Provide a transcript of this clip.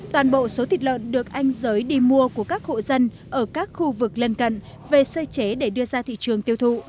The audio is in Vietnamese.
toàn bộ số thịt lợn được anh giới đi mua của các hộ dân ở các khu vực lân cận về sơ chế để đưa ra thị trường tiêu thụ